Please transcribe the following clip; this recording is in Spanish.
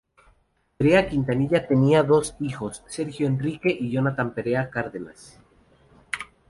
Perea Quintanilla tenia dos hijos, Sergio Enrique y Jonathan Perea Cárdenas.